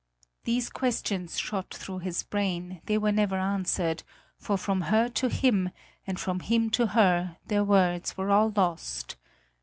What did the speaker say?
These questions shot through his brain; they were never answered, for from her to him, and from him to her, their words were all lost.